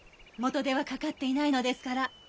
元手はかかっていないのですから。